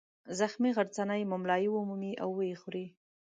زخمي غرڅنۍ مُملایي ومومي او ویې خوري.